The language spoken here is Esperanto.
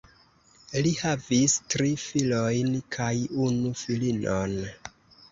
Li havis tri filojn kaj unu filinon.